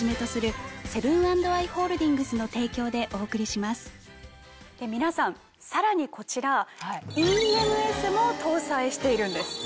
そしてさらにこちらＥＭＳも搭載しているんです。